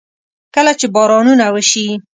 کله چې بارانونه وشي.